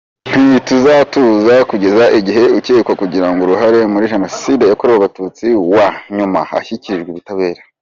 Ntituzatuza, kugeza igihe ukekwa kugira uruhare muri Jenoside yakorewe abatutsi wa nyuma ashyikirijwe ubutabera.